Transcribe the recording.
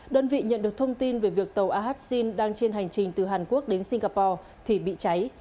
đơn vị nhận được thông tin về việc tàu ahxin đang trên hành trình từ hàn quốc đến singapore thì bị cháy